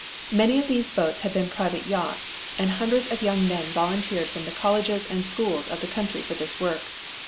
Many of these boats had been private yachts, and hundreds of young men volunteered from the colleges and schools of the country for this work.